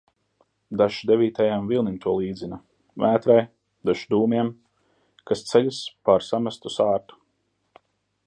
Dažs devītajam vilnim to līdzina, vētrai, dažs dūmiem, kas ceļas pār samestu sārtu.